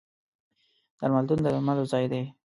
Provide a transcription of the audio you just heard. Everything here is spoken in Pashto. درملتون د درملو ځای دی.